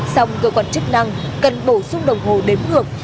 song cơ quan chức năng cần bổ sung đồng hồ đếm ngược